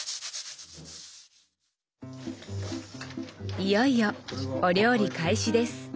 いよいよお料理開始です。